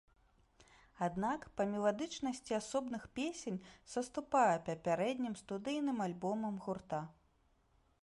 Аднак, па меладычнасці асобных песень саступае папярэднім студыйным альбомам гурта.